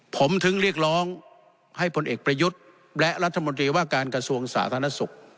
ผมถึงเรียกร้องให้ผลเอกประยุทธ์และรัฐมนตรีว่าการกระทรวงสาธารณสุข